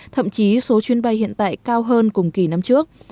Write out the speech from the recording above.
thậm chí số chuyến bay hiện tại cao hơn cùng kỳ năm trước